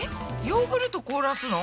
ヨーグルト凍らすの？